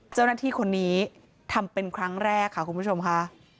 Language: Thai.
เจ้าหน้าที่คนนี้ทำเป็นครั้งแรกค่ะคุณผู้ชมค่ะ